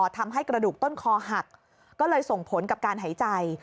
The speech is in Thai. ทำให้กระดูกต้นคอหักก็เลยส่งผลกับการหายใจ